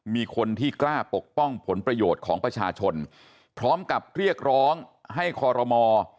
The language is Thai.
มีคนที่กล้าปกป้องผลประโยชน์ของประชาชนพร้อมกับเรียกร้องให้คอรมอ